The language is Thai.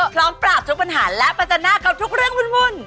พร้อมปราบทุกปัญหาและประจันหน้ากับทุกเรื่องวุ่น